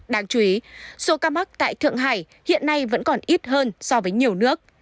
đáng chú ý số ca mắc tại thượng hải hiện nay vẫn còn ít hơn so với nhiều nước